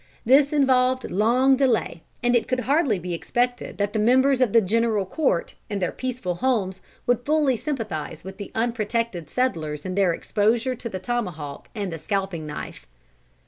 This involved long delay, and it could hardly be expected that the members of the General Court in their peaceful homes would fully sympathize with the unprotected settlers in their exposure to the tomahawk and the scalping knife.